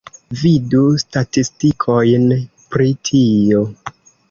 Vidu statistikojn pri tio.